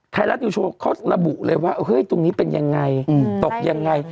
ไทยรัฐนิวโชว์เขาระบุเลยว่าเฮ้ยตรงนี้เป็นยังไงตกยังไง